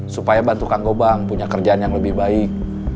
supaya bantu kang gobang punya kerjaan yang lebih baik